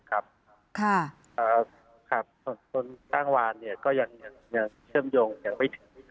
คุณจ้างวานยังเชื่อมโยงยังไม่ถึงดินแรก